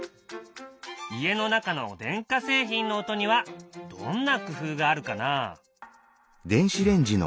家の中の電化製品の音にはどんな工夫があるかな？